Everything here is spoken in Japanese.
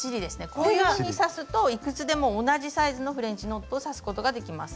こういうふうに刺すといくつでも同じサイズのフレンチノットを刺すことができます。